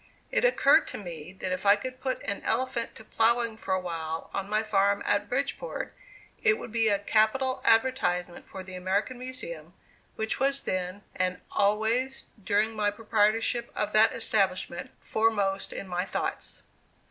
It occurred to me that if I could put an elephant to plowing for a while on my farm at Bridgeport, it would be a capital advertisement for the American Museum, which was then, and always during my proprietorship of that establishment, foremost in my thoughts.